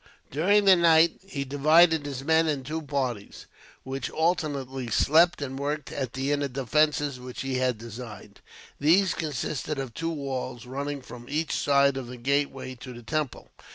During the night, he divided his men in two parties, which alternately slept and worked at the inner defences which he had designed. These consisted of two walls, running from each side of the gateway to the temple.